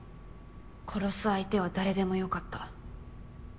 殺す相手は誰でもよかった。